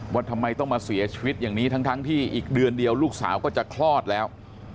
ว่าทำไมต้องมาเสียชีวิตอย่างนี้ทั้งที่อีกเดือนเดียวลูกสาวก็จะคลอดแล้ว